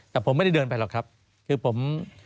แต่ผมไม่ได้เดินไปหรอกครับคือผม